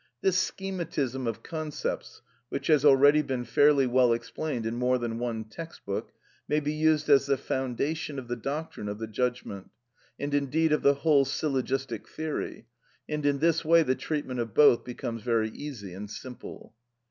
This schematism of concepts, which has already been fairly well explained in more than one textbook, may be used as the foundation of the doctrine of the judgment, and indeed of the whole syllogistic theory, and in this way the treatment of both becomes very easy and simple.